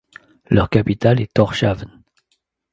Leur capitale est Tórshavn.